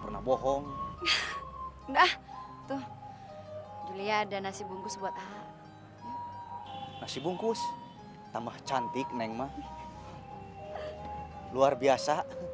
pernah bohong udah tuh julia dan nasi bungkus buat ah nasi bungkus tambah cantik neng mah luar biasa